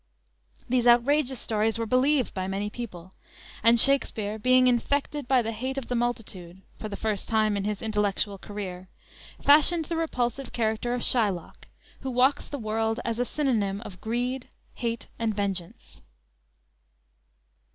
These outrageous stories were believed by many people, and Shakspere, being infected by the hate of the multitude (for the first time in his intellectual career), fashioned the repulsive character of Shylock, who walks the world as a synonym of greed, hate and vengeance.